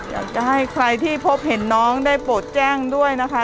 อยากจะให้ใครที่พบเห็นน้องได้โปรดแจ้งด้วยนะคะ